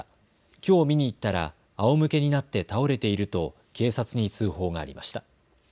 きょう見に行ったらあおむけになって倒れていると警察に通報がありました。